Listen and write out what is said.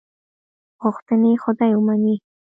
غوښتنې خدای ومني.